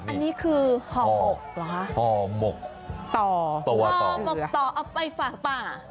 อันนี้คือห่อหมกเหรอคะห่อหมกต่อต่อห่อหมกต่อเอาไปฝากป่า